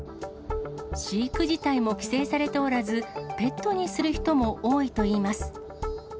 飼育自体も規制されておらず、ペットにする人も多いといいます。